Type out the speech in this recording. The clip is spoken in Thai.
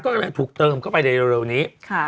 ก็เลยถูกเติมเข้าไปในเร็วนี้